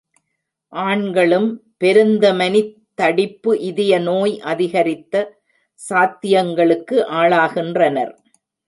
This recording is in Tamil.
ஆண்களும் பெருந்தமனித் தடிப்பு இதய நோய் அதிகரித்த சாத்தியங்களுக்கு ஆளாகின்றனர்.